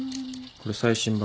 これ最新版。